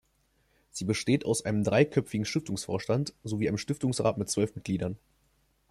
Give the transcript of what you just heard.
Sie besteht aus einem dreiköpfigen Stiftungsvorstand, sowie einem Stiftungsrat mit zwölf Mitgliedern.